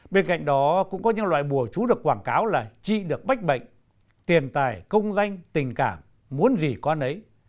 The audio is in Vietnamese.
bên cạnh đó cũng có những loại bùa chú được quảng cáo là chị được bách bệnh tiền tài công danh tình cảm muốn gì con ấy